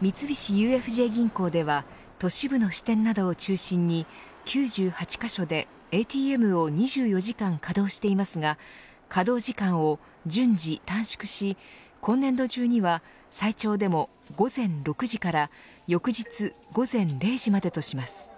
三菱ＵＦＪ銀行では都市部の支店などを中心に９８カ所でＡＴＭを２４時間稼働していますが稼働時間を順次短縮し今年度中には、最長でも午前６時から翌日、午前０時までとします。